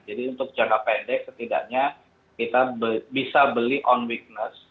untuk jangka pendek setidaknya kita bisa beli on weakness